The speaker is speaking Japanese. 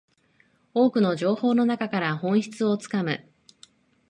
多くの情報の中から本質をつかむ